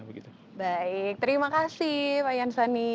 baik terima kasih pak yansoni